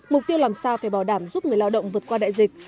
mục tiêu làm sao phải bảo đảm giúp người lao động vượt qua đại dịch